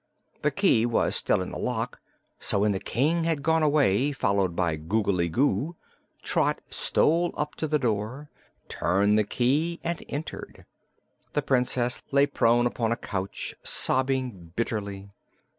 The key was still in the lock, so when the King had gone away, followed by Googly Goo, Trot stole up to the door, turned the key and entered. The Princess lay prone upon a couch, sobbing bitterly.